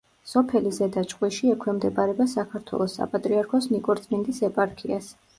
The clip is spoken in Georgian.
სოფელი ზედა ჭყვიში ექვემდებარება საქართველოს საპატრიარქოს ნიკორწმინდის ეპარქიას.